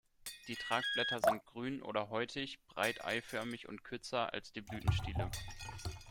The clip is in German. Die Tragblätter sind grün oder häutig, breit-eiförmig und kürzer als die Blütenstiele.